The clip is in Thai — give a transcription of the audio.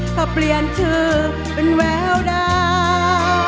ถ้าเปลี่ยนชื่อเป็นแววดาว